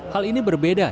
hal ini berbeda